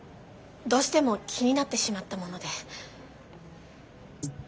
どうしても気になってしまったもので。